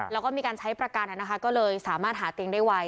แล้วก็มีการใช้ประกันก็เลยสามารถหาเตียงได้ไว